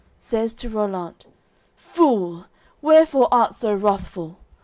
Says to Rollant: "Fool, wherefore art so wrathful?